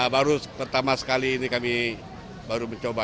baru pertama sekali ini kami baru mencoba